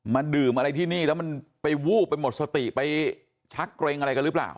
ดื่มอะไรที่นี่แล้วมันไปวูบไปหมดสติไปชักเกรงอะไรกันหรือเปล่า